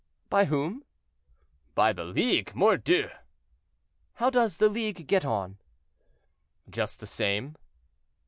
"By whom?" "By the League, mordieu!" "How does the League get on?" "Just the same."